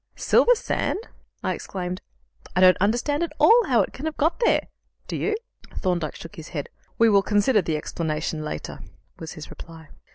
"Silver sand!" I exclaimed. "I don't understand at all how it can have got there. Do you?" Thorndyke shook his head. "We will consider the explanation later," was his reply.